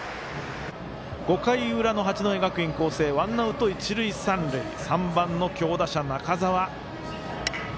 ５回裏の八戸学院光星ワンアウト、一塁三塁３番の強打者、中澤。